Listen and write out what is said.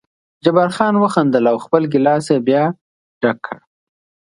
جبار خان وخندل او خپل ګیلاس یې بیا ډک کړ.